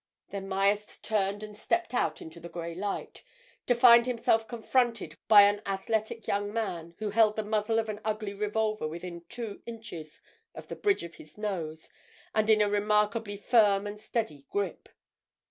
Then Myerst turned and stepped out into the grey light—to find himself confronted by an athletic young man who held the muzzle of an ugly revolver within two inches of the bridge of his nose and in a remarkably firm and steady grip.